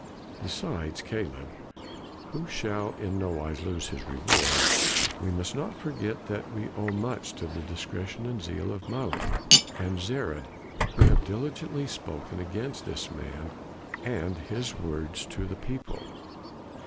Besides Caleb, who shall in no wise lose his reward, we must not forget that we owe much to the discretion and zeal of Malluch and Zared, who have diligently spoken against this man and his words to the people.